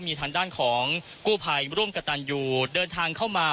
มีทางด้านของกู้ภัยร่วมกับตันยูเดินทางเข้ามา